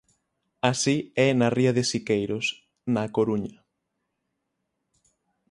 Así é na ría de Siqueiros, na Coruña...